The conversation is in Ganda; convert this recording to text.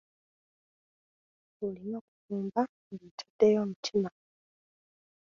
Olina okufumba ng'otaddeyo omutima.